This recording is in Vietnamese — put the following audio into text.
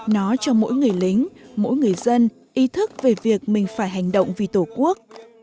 nó cho mỗi người lính mỗi người dân ý thức về việc mình phải hành động vì tổ quốc